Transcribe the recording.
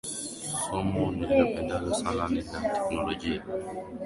Somo nilipendalo sana ni la teknologia.